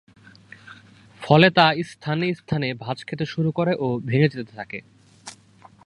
ফলে তা স্থানে স্থানে ভাঁজ খেতে শুরু করে ও ভেঙে যেতে থাকে।